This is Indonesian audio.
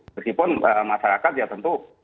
meskipun masyarakat ya tentu